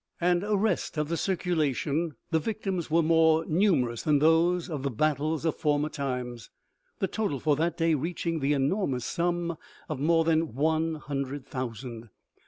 iB 5 and arrest of the circulation, the victims were more num erous than those of the battles of former times, the total for that day reaching the enormous sum of more than one hundred thousand.